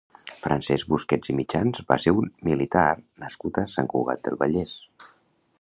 Francesc Busquets i Mitjans va ser un militar nascut a Sant Cugat del Vallès.